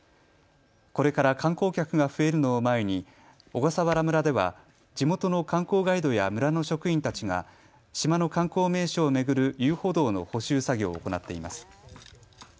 これから観光客が増えるのを前に小笠原村では地元の観光ガイドや村の職員たちが島の観光名所を巡る遊歩道の補修作業を行っています。